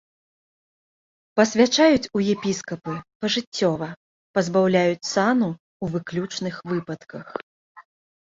Пасвячаюць у епіскапы пажыццёва, пазбаўляюць сану ў выключных выпадках.